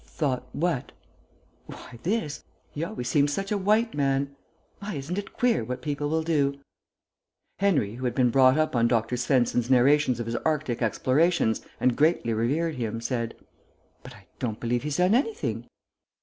"Thought what?" "Why, this. He always seemed such a white man. My, isn't it queer what people will do?" Henry, who had been brought up on Dr. Svensen's narrations of his Arctic explorations, and greatly revered him, said, "But I don't believe he's done anything."